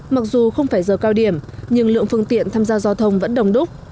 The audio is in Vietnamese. mặc dù không phải giờ cao điểm nhưng lượng phương tiện tham gia giao thông vẫn đồng đúc